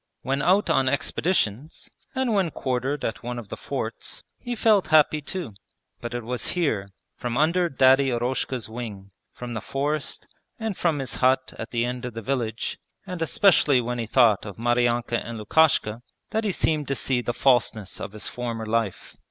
When out on expeditions, and when quartered at one of the forts, he felt happy too; but it was here, from under Daddy Eroshka's wing, from the forest and from his hut at the end of the village, and especially when he thought of Maryanka and Lukashka, that he seemed to see the falseness of his former life.